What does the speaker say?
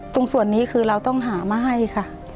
ตรงส่วนนี้คือเราต้องหามาให้ค่ะ